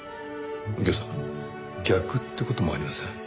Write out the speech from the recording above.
右京さん逆って事もありません？